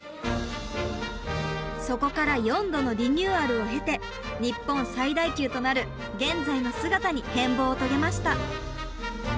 そこから４度のリニューアルを経て日本最大級となる現在の姿に変貌を遂げました。